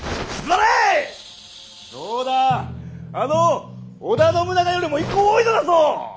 あの織田信長よりも１個多いのだぞ！